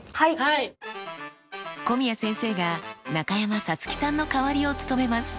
古宮先生が中山咲月さんの代わりを務めます。